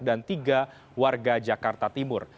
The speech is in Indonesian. dan tiga warga jakarta timur